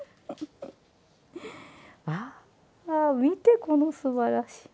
わあ見てこのすばらしい。